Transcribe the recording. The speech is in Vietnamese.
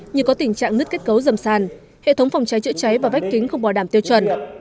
như có tình trạng nứt kết cấu dầm sàn hệ thống phòng cháy chữa cháy và vách kính không bảo đảm tiêu chuẩn